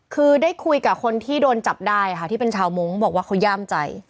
คือได้คุยกับคนที่โดนจับได้ค่ะที่เป็นชาวมงค์บอกว่าเขาย่ามใจ